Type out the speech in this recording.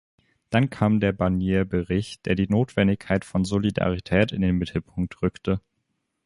Dann kam der Barnier-Bericht, der die Notwendigkeit von Solidarität in den Mittelpunkt rückte.